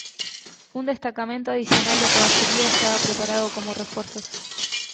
Un destacamento adicional de caballería estaba preparado como refuerzos.